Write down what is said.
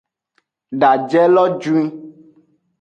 Daje lo juin.